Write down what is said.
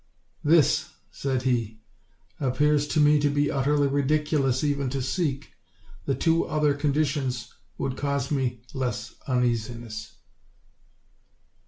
"This," said he, "appears to me to be ut terly ridiculous even to seek; the two other conditions would cause me less uneasiness."